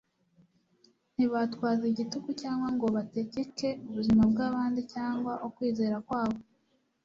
ntibatwaza igitugu cyangwa ngo bategeke ubuzima bw'abandi cyangwa ukwizera kwabo